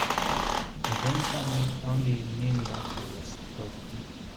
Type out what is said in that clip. Within the family, only Nheengatu was spoken.